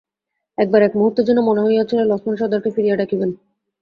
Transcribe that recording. একবার এক মুহূর্তের জন্যে মনে হইয়াছিল লছমন সর্দারকে ফিরিয়া ডাকিবেন!